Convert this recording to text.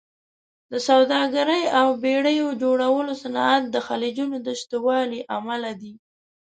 د سوداګرۍ او بېړیو جوړولو صنعت د خلیجونو د شتوالي امله دی.